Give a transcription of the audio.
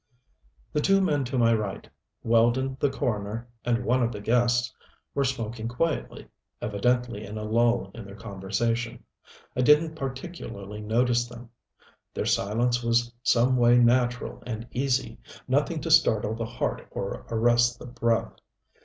The two men to my right, Weldon the coroner and one of the guests, were smoking quietly, evidently in a lull in their conversation. I didn't particularly notice them. Their silence was some way natural and easy, nothing to startle the heart or arrest the breath.